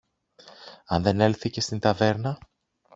αν δεν έλθει και στην ταβέρνα;